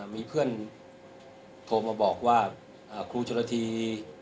มีเพื่อนโทรมาบอกว่าครูชนละที